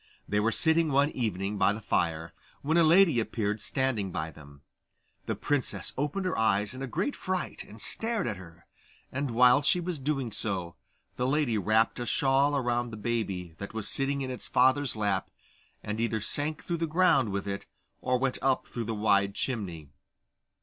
They were sitting one evening by the fire, when a lady appeared standing by them. The princess opened her eyes in a great fright and stared at her, and while she was doing so, the lady wrapped a shawl round the baby that was sitting in its father's lap, and either sank through the ground with it or went up through the wide chimney.